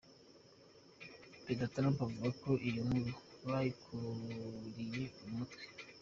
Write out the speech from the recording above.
Prezida Trump avuga ko iyo nkuru bayikuriye mu mutwe.